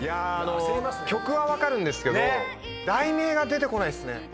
曲は分かるんですけど題名が出てこないっすね。